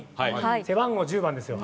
背番号１０番ですよ。